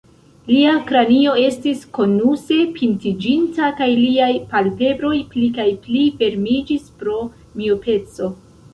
Lia kranio estis konuse pintiĝinta, kaj liaj palpebroj pli kaj pli fermiĝis pro miopeco.